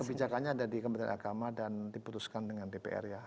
kebijakannya ada di kementerian agama dan diputuskan dengan dpr ya